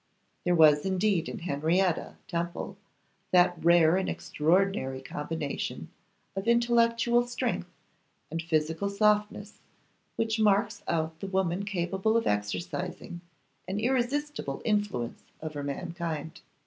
There was indeed in Henrietta Temple that rare and extraordinary combination of intellectual strength and physical softness which marks out the woman capable of exercising an irresistible influence over mankind.